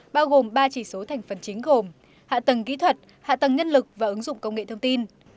bao gồm ba chỉ số thành phần chính gồm hạ tầng kỹ thuật hạ tầng nhân lực và ứng dụng công nghệ thông tin